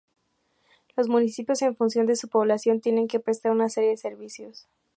Los municipios en función de su población tienen que prestar una serie de servicios.